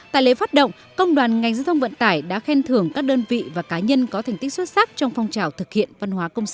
tại lễ phát động công đoàn ngành giao thông vận tải đã khen thưởng các đơn vị và cá nhân có thành tích xuất sắc trong phong trào thực hiện văn hóa công sở